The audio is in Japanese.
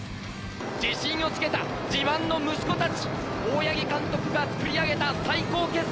自信をつけた自慢の息子たち、大八木監督が作り上げた最高傑作。